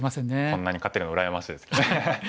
こんなに勝てるのは羨ましいですけど。